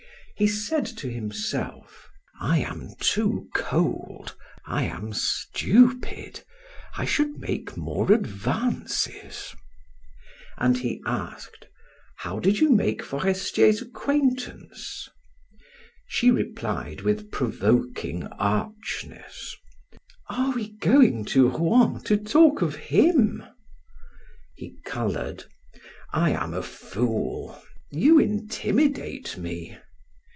He said to himself: "I am too cold. I am stupid. I should make more advances." And he asked: "How did you make Forestier's acquaintance?" She replied with provoking archness: "Are we going to Rouen to talk of him?" He colored. "I am a fool. You intimidate me."